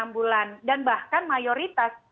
enam bulan dan bahkan mayoritas